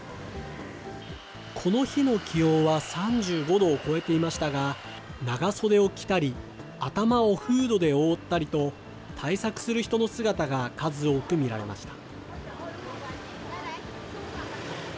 この日の気温は３５度を超えていましたが、長袖を着たり、頭をフードで覆ったりと、対策する人の姿が数多く見られました。